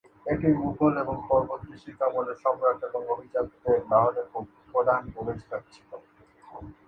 এটি মুঘল এবং পরবর্তী শিখ আমলে সম্রাট এবং অভিজাতদের লাহোরের প্রধান প্রবেশদ্বার ছিল।